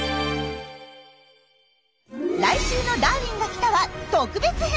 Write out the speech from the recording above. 来週の「ダーウィンが来た！」は特別編。